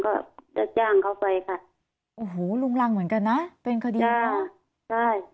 ก็จะจ้างเขาไปค่ะโอ้โหลุงรังเหมือนกันนะเป็นคดีค่ะใช่